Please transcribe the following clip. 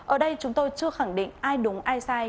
ở đây chúng tôi chưa khẳng định ai đúng ai sai